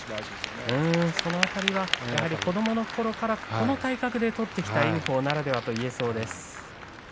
その辺り子どものころからこの体格で取ってきた炎鵬ならではといえそうです。